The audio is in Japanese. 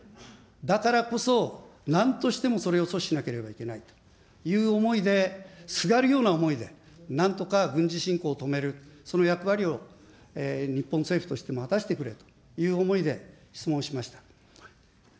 だからこそ、なんとしてもそれを阻止しなければいけないという思いで、すがるような思いで、なんとか軍事侵攻を止める、その役割を日本政府としても果たしてくれという思いで質問をしました。